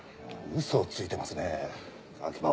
嘘をついてますね秋葉は。